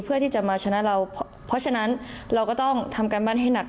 เพื่อที่จะมาชนะเราเพราะฉะนั้นเราก็ต้องทำการบ้านให้หนัก